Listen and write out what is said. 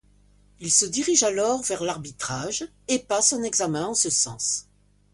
Il se dirige alors vers l'arbitrage et passe un examen en ce sens.